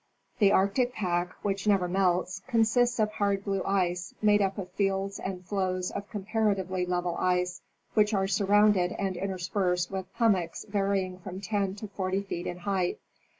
The Arctic pack, which never melts, consists of hard blue ice, made up of fields and floes of comparatively level ice, which are surrounded and interspersed with hummocks varying from ten to forty feet in height.